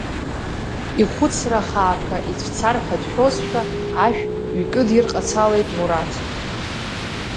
Ихәыцра хаақәа ицәцар ҳәа дшәозшәа, ашә ҩкыдирҟацалеит Мураҭ.